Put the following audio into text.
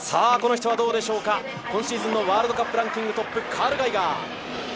この人はどうでしょうか、今シーズンのワールドカップランキング１位、カール・ガイガー。